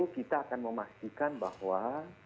kita akan memastikan bahwa